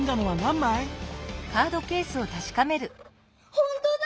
ほんとだ！